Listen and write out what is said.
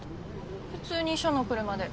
普通に署の車で。